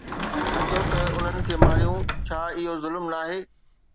اچو ته انهن کي ماريون، ڇا اهو ظلم ناهي؟